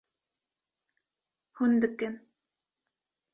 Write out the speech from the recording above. Hûn dikin